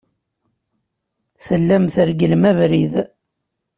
Tellam tregglem abrid.